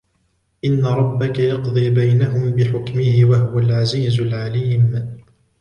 إِنَّ رَبَّكَ يَقْضِي بَيْنَهُمْ بِحُكْمِهِ وَهُوَ الْعَزِيزُ الْعَلِيمُ